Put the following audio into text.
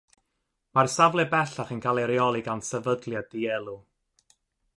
Mae'r safle bellach yn cael ei reoli gan sefydliad di-elw.